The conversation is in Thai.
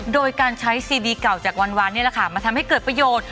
โดยการใช้ซีดีเก่าจากวันนี่แหละค่ะมาทำให้เกิดประโยชน์